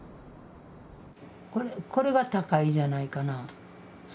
これが高井じゃないかな。